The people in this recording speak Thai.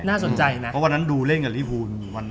เพราะวันนั้นดูเล่นกับลิฟู